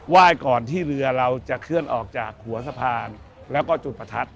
ยก่อนที่เรือเราจะเคลื่อนออกจากหัวสะพานแล้วก็จุดประทัด